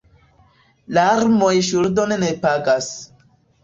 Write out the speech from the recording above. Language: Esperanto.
Larmoj ŝuldon ne pagas.